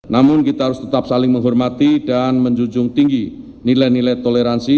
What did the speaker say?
namun kita harus tetap saling menghormati dan menjunjung tinggi nilai nilai toleransi